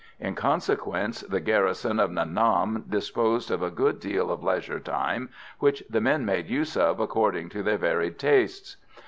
In consequence, the garrison of Nha Nam disposed of a good deal of leisure time, which the men made use of according to their varied tastes.